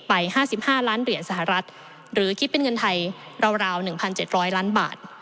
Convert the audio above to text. ๕๕ล้านเหรียญสหรัฐหรือคิดเป็นเงินไทยราว๑๗๐๐ล้านบาท